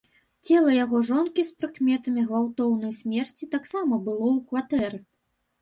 Цела яго жонкі з прыкметамі гвалтоўнай смерці таксама было ў кватэры.